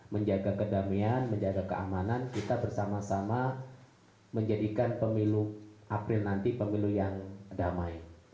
menjaga kedamaian menjaga keamanan kita bersama sama menjadikan pemilu april nanti pemilu yang damai